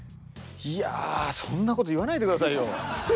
いやそんな事言わないでくださいよ。